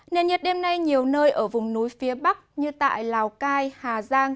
nền nhiệt đêm nay nhiều nơi ở vùng núi phía bắc như tại lào cai hà giang